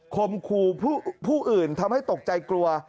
คมคู่อื่นทำให้ตกใจกลัว